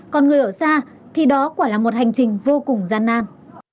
còn người ở xa thì đó quả là một hành trình vô cùng gian nan